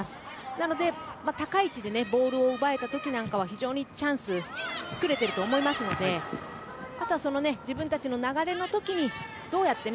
なので、高い位置でボールを奪えた時なんかは非常にチャンスを作れてると思いますのであとは、自分たちの流れの時にどうやって